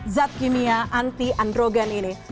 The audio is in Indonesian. zat kimia anti androgen ini